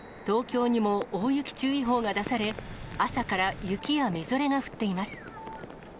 東京にも大雪注意報が出され、朝から雪やみぞれが降っています。